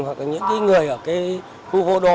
hoặc là những người ở cái khu vô đó